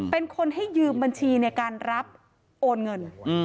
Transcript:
เป็นคนให้ยืมบัญชีในการรับโอนเงิน